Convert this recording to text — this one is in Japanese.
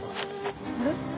あれ？